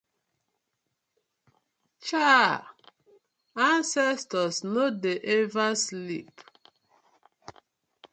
Chaaah!! Ancestors no dey ever sleep.